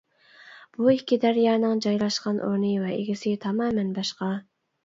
بۇ ئىككى دەريانىڭ جايلاشقان ئورنى ۋە ئىگىسى تامامەن باشقا.